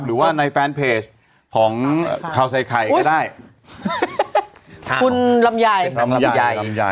หรือว่าในแฟนเพจของข่าวใส่ไข่ก็ได้คุณลำไยลำไยลำไย